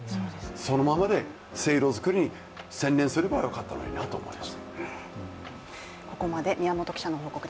そのままで制度作りに専念すればよかったのになと思います。